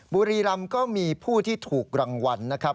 บุรีรำก็มีผู้ที่ถูกรางวัลนะครับ